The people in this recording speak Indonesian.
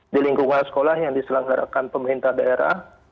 di lingkungan sekolah yang diselenggarakan pemerintah daerah